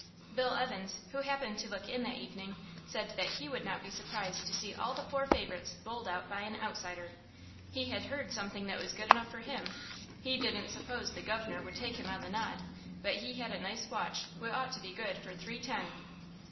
Bill Evans, who happened to look in that evening, said that he would not be surprised to see all the four favourites bowled out by an outsider. He had heard something that was good enough for him. He didn't suppose the guv'nor would take him on the nod, but he had a nice watch which ought to be good for three ten.